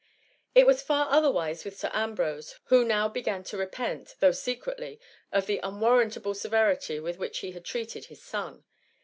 It was far otherwise wiA Sir Ambrose, who now began to repent, though secretly, of the unwarrantable severity with which he had treat* ed his son.